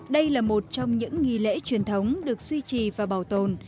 đây là một trong những nghỉ lễ truyền thống được suy trì và bảo tồn